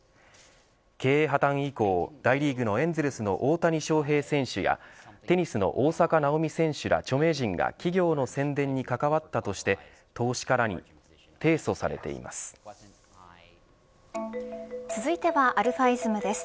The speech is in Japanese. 経営破綻以降、大リーグのエンゼルスの大谷翔平選手やテニスの大坂なおみ選手ら著名人が企業の宣伝に関わったとして投資家らに提訴されて続いてはαｉｓｍです。